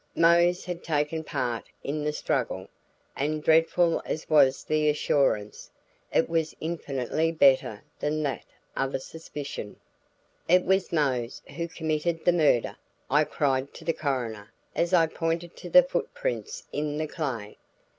Mose had taken part in the struggle, and dreadful as was the assurance, it was infinitely better than that other suspicion. "It was Mose who committed the murder!" I cried to the coroner as I pointed to the foot prints in the clay.